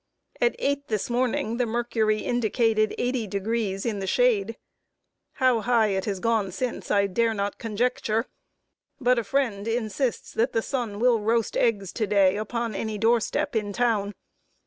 At eight, this morning, the mercury indicated eighty degrees in the shade. How high it has gone since, I dare not conjecture; but a friend insists that the sun will roast eggs to day upon any doorstep in town.